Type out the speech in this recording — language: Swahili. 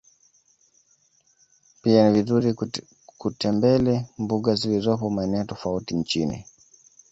Pia ni vizuri kutembele mbuga ziolizopo maeneo tofauti nchini